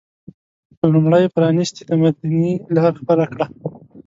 لومړی پرانیستي تمدني لاره خپله کړه